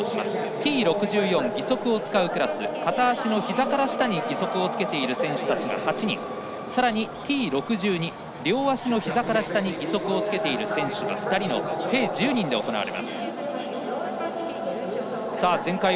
Ｔ６４、義足を使うクラス片足のひざから下に義足をつける選手たちが８人さらにＴ６２、両足のひざから下に義足をつけている選手２人の計１０人で行われます。